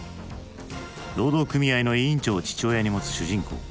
労働組合の委員長を父親に持つ主人公。